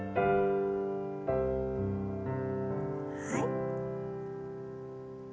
はい。